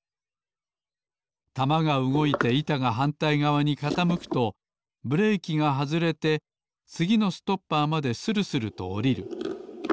玉がうごいていたがはんたいがわにかたむくとブレーキがはずれてつぎのストッパーまでするするとおりる。